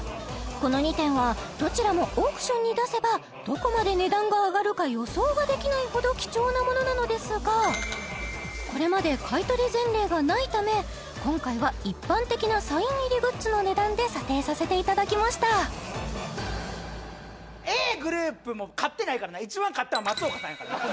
この２点はどちらもオークションに出せばどこまで値段が上がるか予想ができないほど貴重なものなのですがこれまで買い取り前例がないため今回は一般的なサイン入りグッズの値段で査定させていただきましたＡぇ！